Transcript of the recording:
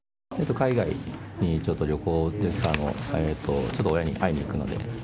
海外にちょっと旅行というか、ちょっと親に会いに行くので。